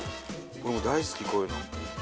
俺も大好きこういうの。